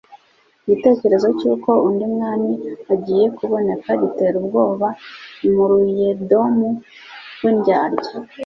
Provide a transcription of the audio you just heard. Igitekerezo cy'uko undi mwami agiye kuboneka gitera ubwoba Umuruyedomu w'indyarya.